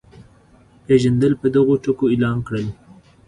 پېژندل په دغو ټکو اعلان کړل.